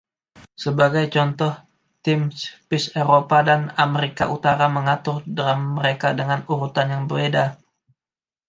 Sebagai contoh, tim[\\pis Eropa dam America Utara mengatur drum mereka dengan urutan yang beda.